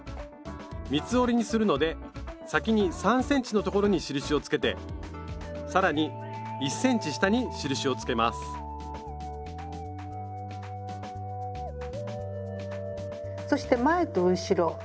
三つ折りにするので先に３ｃｍの所に印をつけて更に１ｃｍ下に印をつけますそして前と後ろ。